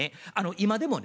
今でもね